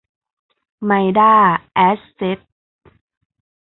ไมด้า แอสเซ็ท